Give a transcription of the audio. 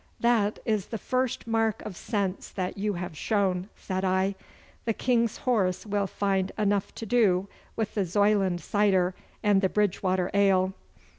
'That is the first mark of sense that you have shown,' said I. 'The King's horse will find enough to do with the Zoyland cider and the Bridgewater ale.